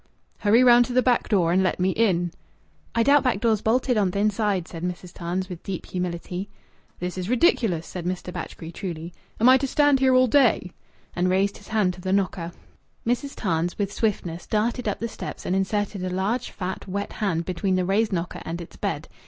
"Hurry round to th' back door and let me in." "I doubt back door's bolted on th' inside," said Mrs. Tarns with deep humility. "This is ridiculous," said Mr. Batchgrew, truly. "Am I to stand here all day?" And raised his hand to the knocker. Mrs. Tarns with swiftness darted up the steps and inserted a large, fat, wet hand between the raised knocker and its bed.